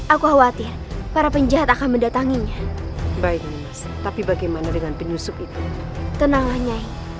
aku khawatir para penjahat akan mendatanginya baik tapi bagaimana dengan penyusup itu tenanglah nyai